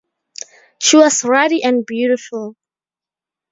She was ruddy and beautiful.